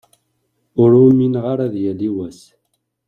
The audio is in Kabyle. Ur umineɣ ara ad yali wass.